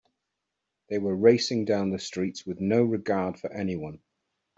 They were racing down the streets with no regard for anyone.